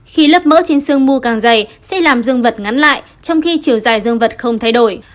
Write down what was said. khi lấp mỡ trên xương mu càng dày sẽ làm dương vật ngắn lại trong khi chiều dài dương vật không thay đổi